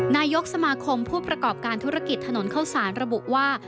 นายกสมาคมผู้ประกอบการธุรกิจถนนเข้าสารระบุว่า